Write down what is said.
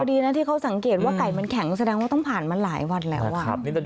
ดีนะที่เขาสังเกตว่าไก่มันแข็งแสดงว่าต้องผ่านมาหลายวันแล้ว